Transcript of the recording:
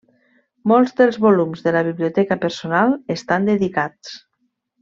Molts dels volums de la biblioteca personal estan dedicats.